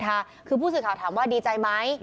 หรือติดชิ้นนินทาคือผู้สื่อข่าวถามว่าดีใจไหม